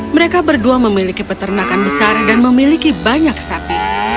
mereka berdua memiliki peternakan besar dan memiliki banyak sapi